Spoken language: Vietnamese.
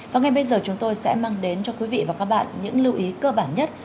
và ngay bây giờ chúng tôi sẽ mang đến cho quý vị và các bạn những lưu ý cơ bản nhất